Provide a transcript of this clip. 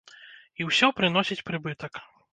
І ўсё прыносіць прыбытак.